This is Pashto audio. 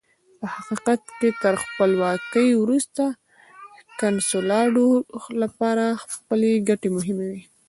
په حقیقت کې تر خپلواکۍ وروسته کنسولاډو لپاره خپلې ګټې مهمې وې.